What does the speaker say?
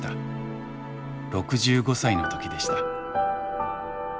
６５歳の時でした。